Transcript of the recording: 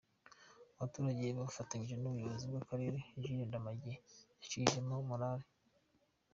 Abaturage bafatanyije n’umuyobozi w’akarere Jules Ndamage bacishijeho morale.